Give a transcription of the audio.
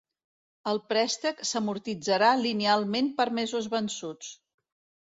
El préstec s'amortitzarà linealment per mesos vençuts.